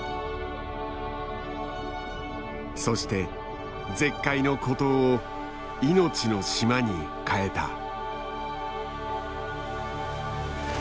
そして絶海の孤島を命の島に変えた。